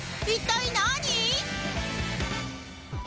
一体何？